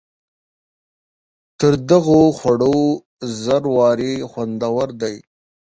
تر دغو خوړو زر وارې خوندور دی.